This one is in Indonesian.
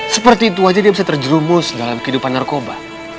seperti itu aja dia bisa terjerumus dalam kehidupan narkoba